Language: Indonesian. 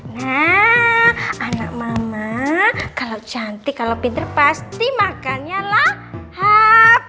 nah anak mama kalau cantik kalau pinter pasti makannya lahap